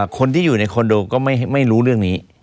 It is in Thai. คนที่อยู่ในคอนโดก็ไม่รู้เรื่องนี้